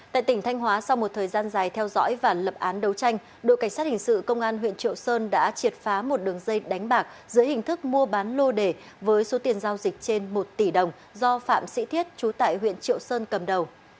tại tỉnh thanh hóa sau một thời gian dài theo dõi và lập án đấu tranh đội cảnh sát hình sự công an huyện triệu sơn đã triệt phá một đường dây đánh bạc dưới hình thức mua bán lô đề với số tiền giao dịch trên một tỷ đồng do phạm sĩ thiết chú tại huyện triệu sơn cầm đầu